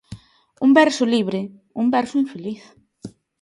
Un verso libre Un verso infeliz.